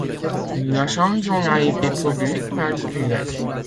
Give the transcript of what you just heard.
La chanson a été produite par Skrillex.